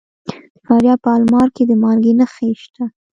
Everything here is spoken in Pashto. د فاریاب په المار کې د مالګې نښې شته.